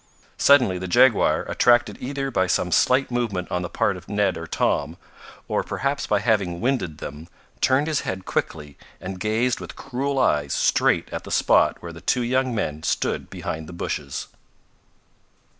Suddenly the jaguar, attracted either by some slight movement on the part of Ned or Tom, or perhaps by having winded them, turned his head quickly and gazed with cruel eyes straight at the spot where the two young men stood behind the bushes.